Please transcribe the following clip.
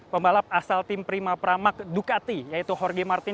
pembalap asal tim prima pramak ducati yaitu jorge martin